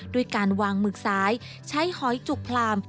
ด้วยการวางหมึกซ้ายใช้หอยจุกพลาม